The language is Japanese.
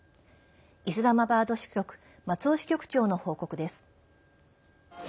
イスラマバード支局松尾支局長の報告です。